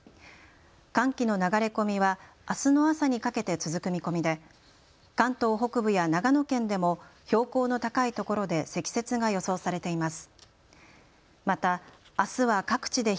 寒気の流れ込みはあすの朝にかけて続く見込みで関東北部や長野県でも標高の高い所で積雪が予想されています。